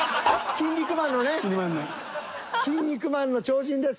「キン肉マン」の超人です。